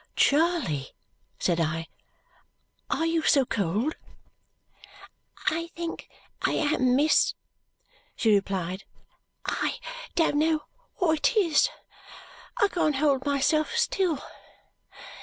"Charley," said I, "are you so cold?" "I think I am, miss," she replied. "I don't know what it is. I can't hold myself still.